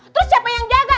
terus siapa yang jaga